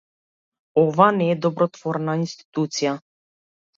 Ова не е добротворна институција.